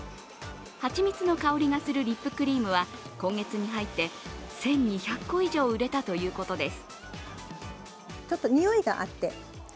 蜂蜜の香りがするリップクリームは今月に入って１２００個以上売れたということです